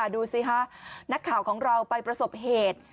ดูสิคะนักข่าวของเราไปประสบเหตุ